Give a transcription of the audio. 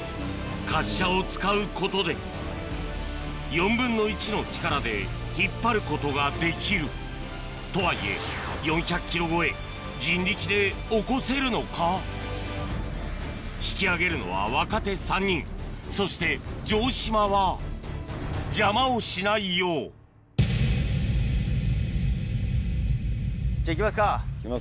滑車を使うことで４分の１の力で引っ張ることができるとはいえ４００ｋｇ超え引き上げるのは若手３人そして城島は邪魔をしないよういきますか。